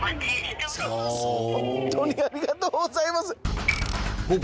ホントにありがとうございます。